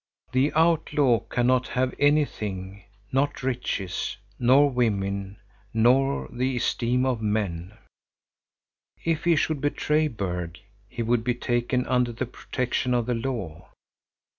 —The outlaw cannot have anything, not riches, nor women, nor the esteem of men. —If he should betray Berg, he would be taken under the protection of the law.